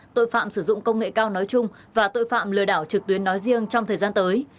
tội phạm sử dụng công nghệ cao nói chung và tội phạm lừa đảo trực tuyến nói riêng trong thời gian tới